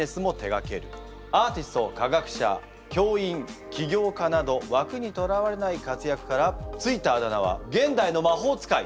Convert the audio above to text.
「アーティスト」「科学者」「教員」「起業家」などわくにとらわれない活躍から付いたあだ名は「現代の魔法使い」。